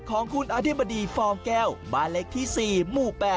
ของคุณอธิบดีฟองแก้วบ้านเล็กที่๔หมู่๘